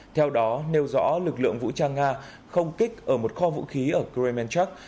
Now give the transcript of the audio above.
theo đó nêu rõ lực lượng vũ trang nga không kích ở một kho vũ khí ở krimenchak